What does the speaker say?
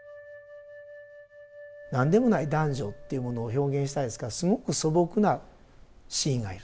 何でもない男女っていうものを表現したいですからすごく素朴なシーンがいる。